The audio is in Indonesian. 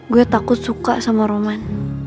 gue takut suka sama roman